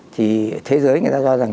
thì thế giới người ta cho rằng